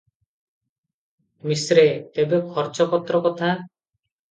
ମିଶ୍ରେ- ତେବେ ଖର୍ଚ୍ଚପତ୍ର କଥା ।